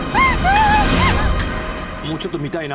もうちょっと見たいな。